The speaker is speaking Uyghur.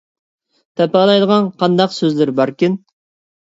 تاپىلايدىغان قانداق سۆزلىرى باركىن؟